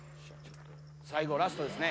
最後ラストですね。